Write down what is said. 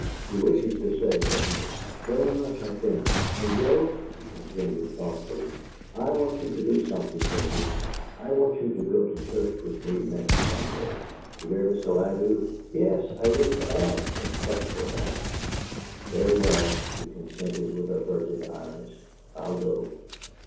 "He wishes to stay, doesn't he?" "Very much, I think. And, Joe," she continued, thoughtfully, "I want you to do something for me. I want you to go to church with me next Sunday." "To hear Mr. Ladew?" "Yes. I wouldn't ask except for that." "Very well," he consented, with averted eyes. "I'll go."